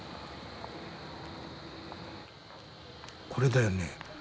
これだよね。